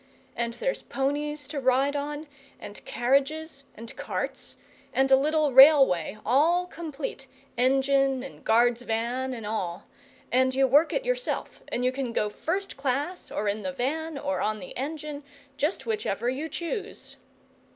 And there's ponies to ride on, and carriages and carts; and a little railway, all complete, engine and guard's van and all; and you work it yourself, and you can go first class, or in the van, or on the engine, just whichever you choose."